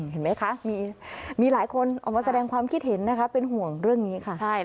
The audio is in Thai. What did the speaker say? เห็นไหมคะมีหลายคนออกมาแสดงความคิดเห็นนะคะเป็นห่วงเรื่องนี้ค่ะ